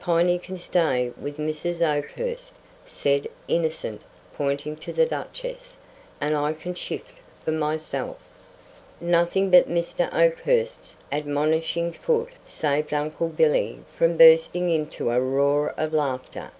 "Piney can stay with Mrs. Oakhurst," said the Innocent, pointing to the Duchess, "and I can shift for myself." Nothing but Mr. Oakhurst's admonishing foot saved Uncle Billy from bursting into a roar of laughter.